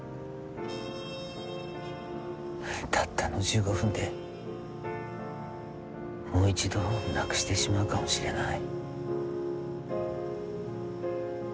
たったの１５分でもう一度なくしてしまうかもしれない。